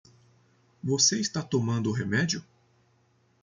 Você está tomando remédio?